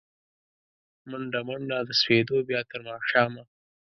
مڼډه، منډه د سپېدو، بیا تر ماښامه